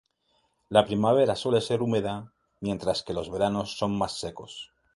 La primavera suele ser húmeda, mientras que los veranos son más secos.